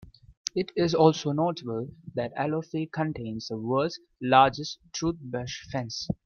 It is also notable that Alofi contains the world's largest toothbrush fence.